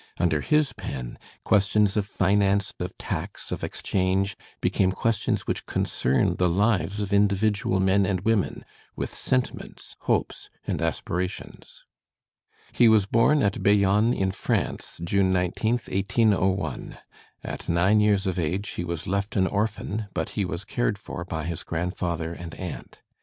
Under his pen, questions of finance, of tax, of exchange, became questions which concern the lives of individual men and women, with sentiments, hopes, and aspirations. [Illustration: FRÉDÉRIC BASTIAT] He was born at Bayonne in France, June 19th, 1801. At nine years of age he was left an orphan, but he was cared for by his grandfather and aunt.